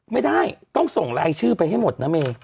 ไม่ได้ต้องส่งรายชื่อไปให้หมดนะเม